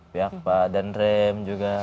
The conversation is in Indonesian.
pihak pak dan rem juga